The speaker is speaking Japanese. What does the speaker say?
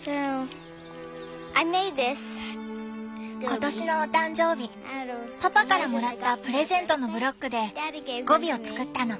今年のお誕生日パパからもらったプレゼントのブロックでゴビを作ったの。